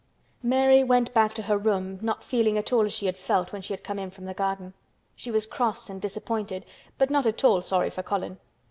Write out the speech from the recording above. Mary went back to her room not feeling at all as she had felt when she had come in from the garden. She was cross and disappointed but not at all sorry for Colin.